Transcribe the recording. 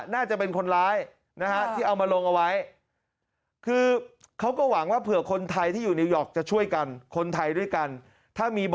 น่าจะเป็นคนร้ายที่เอามาลงเอาไว้